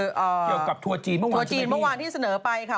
ทัวร์จีนเมื่อวานใช่ไหมทัวร์จีนเมื่อวานที่เสนอไปค่ะ